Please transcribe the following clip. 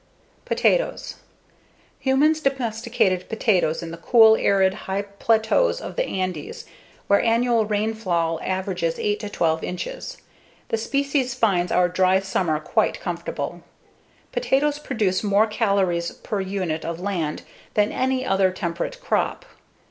Potatoes Humans domesticated potatoes in the cool, arid high plateaus of the Andes where annual rainfall averages 8 to 12 inches. The species finds our dry summer quite comfortable. Potatoes produce more calories per unit of land than any other temperate crop.